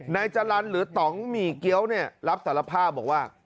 นายจรรย์หรือต่องหมี่เกี้ยวเนี่ยรับสารภาพบอกว่า